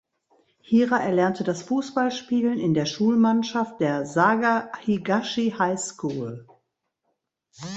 Hira erlernte das Fußballspielen in der Schulmannschaft der "Saga Higashi High School".